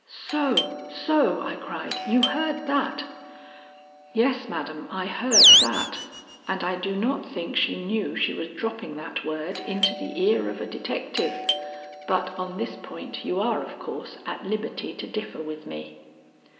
'" "So! so!" I cried, "you heard that?" "Yes, madam, I heard that, and I do not think she knew she was dropping that word into the ear of a detective, but on this point you are, of course, at liberty to differ with me."